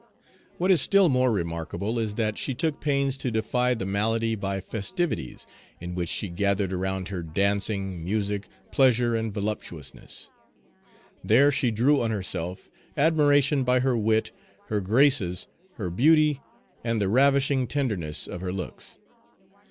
What is still more remarkable is that she took pains to defy the malady by festivities, in which she gathered around her dancing, music, pleasure, and voluptuousness; there she drew on herself admiration by her wit, her graces, her beauty, and Page 222 the ravishing tenderness of her looks.